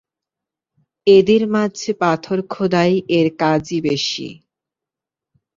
এদের মাঝে পাথর খোদাই এর কাজই বেশি।